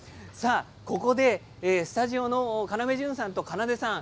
ここでスタジオの要潤さんとかなでさん